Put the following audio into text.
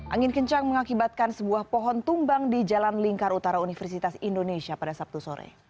angin kencang mengakibatkan sebuah pohon tumbang di jalan lingkar utara universitas indonesia pada sabtu sore